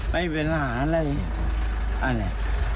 ไม่เป็นอาหารอะไร